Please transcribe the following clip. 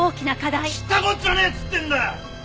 知ったこっちゃねえっつってんだよ！